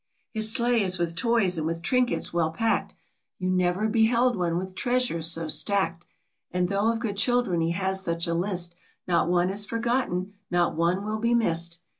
His sleigh is with toys and with trinkets well packed, You never beheld one with treasures so stacked ; And though of good children he has such a list Not one is forgotten; not one will be missed.